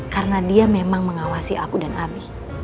karena dia memang mengawasi aku dan abi